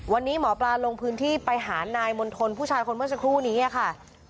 วันนี้หมอปลาลงพื้นที่ไปหานายมณฑลผู้ชายคนเมื่อสักครู่นี้ค่ะ